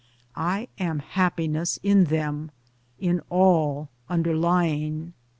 I am Happiness in them, in all — under lying.